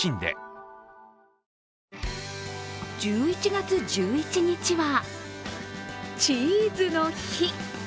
１１月１１日はチーズの日。